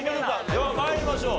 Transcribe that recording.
では参りましょう。